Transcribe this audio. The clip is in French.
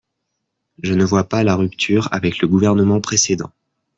Je ne vois pas la rupture avec le gouvernement précédent.